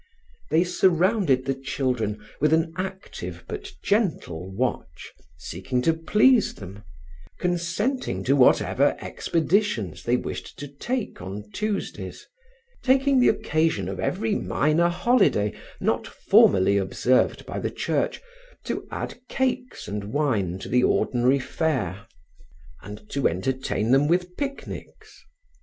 They surrounded the children with an active but gentle watch, seeking to please them, consenting to whatever expeditions they wished to take on Tuesdays, taking the occasion of every minor holiday not formally observed by the Church to add cakes and wine to the ordinary fare, and to entertain them with picnics.